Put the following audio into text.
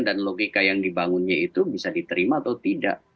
dan logika yang dibangunnya itu bisa diterima atau tidak